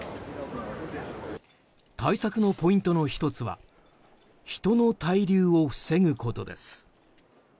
対策のポイントの１つは人の滞留を防ぐことです。